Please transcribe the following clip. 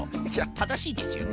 ただしいですよね？